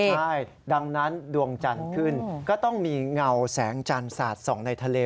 ใช่ดังนั้นดวงจันทร์ขึ้นก็ต้องมีเงาแสงจันทร์สาดส่องในทะเล